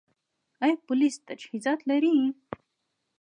آیا پولیس تجهیزات لري؟